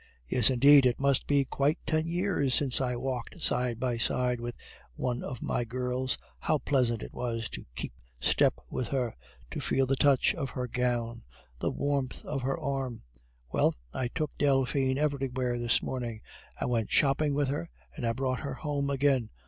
Yes, indeed, it must be quite ten years since I walked side by side with one of my girls. How pleasant it was to keep step with her, to feel the touch of her gown, the warmth of her arm! Well, I took Delphine everywhere this morning; I went shopping with her, and I brought her home again.